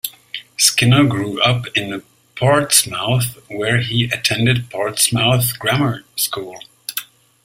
Skinner grew up in Portsmouth where he attended Portsmouth Grammar School.